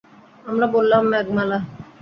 আমরা বললাম, মেঘমালা!